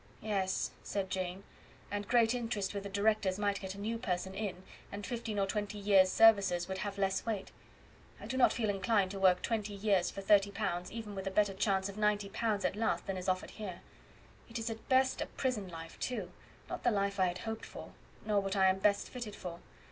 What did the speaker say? "Yes," said Jane; "and great interest with the directors might get a new person in, and fifteen or twenty years' services would have less weight. I do not feel inclined to work twenty years for 30 pounds even with a better chance of 90 pounds at last than is offered here. It is at best a prison life, too; not the life I had hoped for, nor what I am best fitted for.